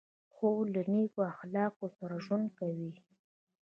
خور له نیک اخلاقو سره ژوند کوي.